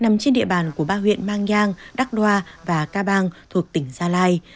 nằm trên địa bàn của ba huyện mang giang đắk đoa và ca bang thuộc tỉnh gia lai